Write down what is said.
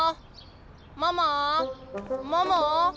ママママ。